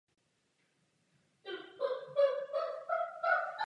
Kvůli mlze byl závod zrušen.